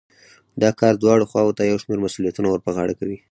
دا کار دواړو خواوو ته يو شمېر مسوليتونه ور په غاړه کوي.